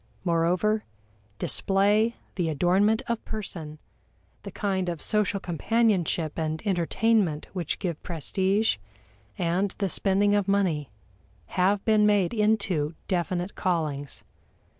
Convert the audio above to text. Moreover, display, the adornment of person, the kind of social companionship and entertainment which give prestige, and the spending of money, have been made into definite callings.